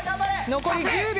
残り１０秒。